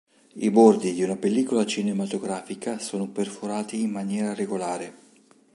I bordi di una pellicola cinematografica sono perforati in maniera regolare.